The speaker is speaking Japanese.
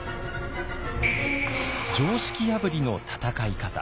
常識破りの戦い方